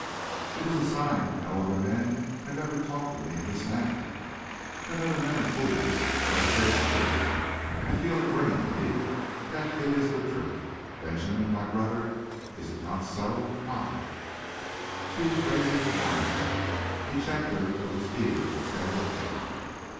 "It is a sign that no other men have ever talked to me in this manner." "Then other men are fools. What I say is true. I feel it ring in me, that it is the truth. Benjamin, my brother, is it not so? Ha!" She was raising the wine cup; he checked her with his eager, extended hand.